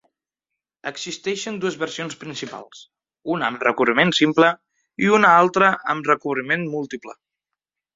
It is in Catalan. Existeixen dues versions principals, una amb recobriment simple i una altra amb recobriment múltiple.